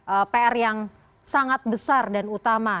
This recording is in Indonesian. ada pr yang sangat besar dan utama